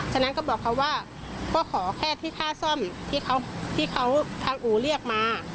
ฉะนั้นก็บอกเขาว่าก็ขอแค่ที่ค่าซ่อมที่เขาทางอู่เรียกมา